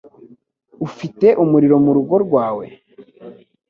Ufite umuriro mu rugo rwawe?